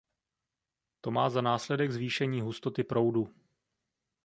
To má za následek zvýšení hustoty proudu.